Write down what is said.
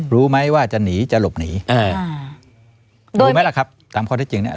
รู้ไหมว่าจะหนีจะหลบหนีรู้ไหมล่ะครับตามข้อที่จริงเนี่ย